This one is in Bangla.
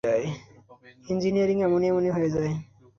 ইঞ্জিনিয়ারিং এমনি এমনি হয়ে যায়।